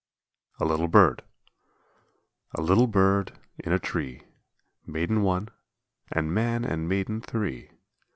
A LITTLE BIRD. A little Bird in a tree Made one a man and maiden three.